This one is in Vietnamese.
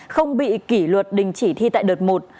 không bị kỷ luật đình chỉ thi tại đợt một